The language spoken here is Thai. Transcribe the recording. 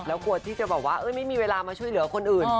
แล้วกลัวที่จะบอกว่าไม่มีเวลามาช่วยเหลือคนอื่น